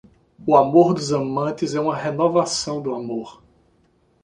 O amor dos amantes é uma renovação do amor.